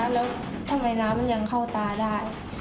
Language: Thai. แล้วทำไมน้ำมันยังเข้าตาได้